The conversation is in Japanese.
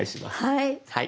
はい。